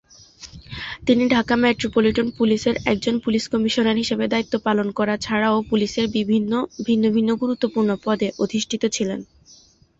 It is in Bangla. তিনি ঢাকা মেট্রোপলিটন পুলিশের একজন পুলিশ কমিশনার হিসেবে দায়িত্ব পালন করা ছাড়াও পুলিশের ভিন্ন ভিন্ন গুরুত্বপূর্ণ পদে অধিষ্ঠিত ছিলেন।